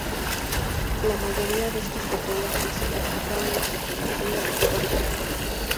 La mayoría de estos fotógrafos practicaban la fotografía pictórica.